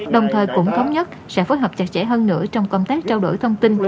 đồng thời cũng thống nhất sẽ phối hợp chặt chẽ hơn nữa trong công tác trao đổi thông tin